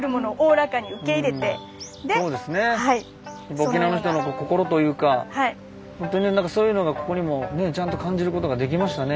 沖縄の人の心というか本当にそういうのがここにもちゃんと感じることができましたね。